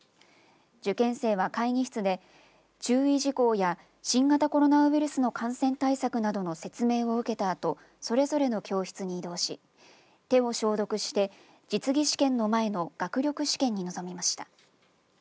受験生は会議室で注意事項や新型コロナウイルスの感染対策などの説明を受けたあとそれぞれの教室に移動し手を消毒して実技試験の前の学力試験に臨みました。